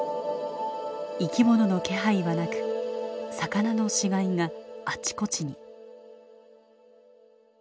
生き物の気配はなく魚の死骸があちこちに。